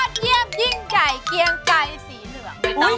อัดเยี่ยมยิ่งไกลเกียงใกล้สีเหลือง